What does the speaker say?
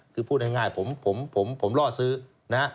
คือพูดง่ายผมล่อซื้อนะ